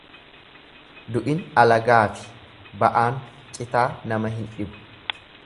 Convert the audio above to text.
Du'in alagaafi ba'aan citaa nama hin dhibu.